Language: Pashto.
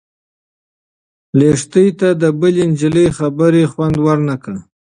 لښتې ته د بلې نجلۍ خبر خوند ورنه کړ.